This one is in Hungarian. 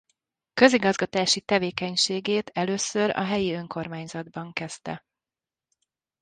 Közigazgatási tevékenységét először a helyi önkormányzatban kezdte.